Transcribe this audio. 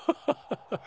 ハハハハ。